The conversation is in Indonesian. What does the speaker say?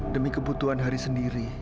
demi kebutuhan haris sendiri